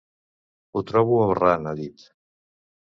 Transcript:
Ho trobo aberrant, ha dit.